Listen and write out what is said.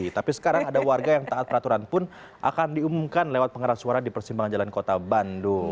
tapi sekarang ada warga yang taat peraturan pun akan diumumkan lewat pengeras suara di persimpangan jalan kota bandung